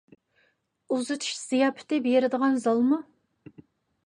ئۇزىتىش زىياپىتى بېرىدىغان زالمۇ؟